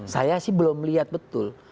saya sih belum lihat betul